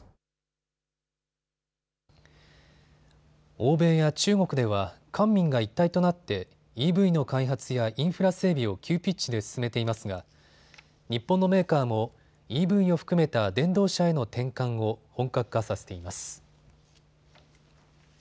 欧米や中国では官民が一体となってＥＶの開発やインフラ整備を急ピッチで進めていますが日本のメーカーもＥＶを含めた電動車への転換を本格化させています。